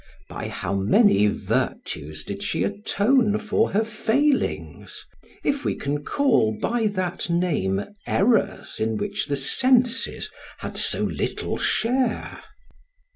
By how many virtues did she atone for her failings! if we can call by that name errors in which the senses had so little share.